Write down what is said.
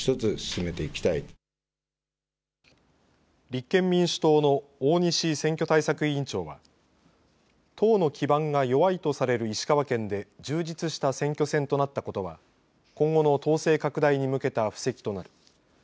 立憲民主党の大西選挙対策委員長は党の基盤が弱いとされる石川県で充実した選挙戦となったことは今後の党勢拡大に向けた布石となる。